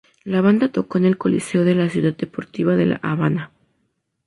La banda tocó en el Coliseo de la Ciudad Deportiva de La Habana.